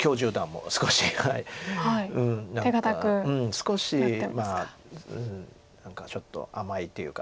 少し何かちょっと甘いというか。